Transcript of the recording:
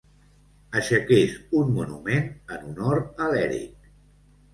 Aixequés un monument en honor a l'Èric.